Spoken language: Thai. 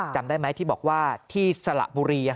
จำได้ไหมที่บอกว่าที่สระบุรี